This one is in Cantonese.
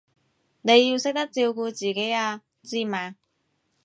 你要識得照顧自己啊，知嘛？